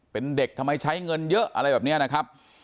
เป็นเด็กทำไมใช้เงินเยอะอะไรแบบนี้นะครับ